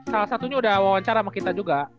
salah satunya udah wawancara sama kita juga